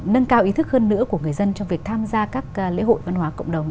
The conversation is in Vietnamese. nâng cao ý thức hơn nữa của người dân trong việc tham gia các lễ hội văn hóa cộng đồng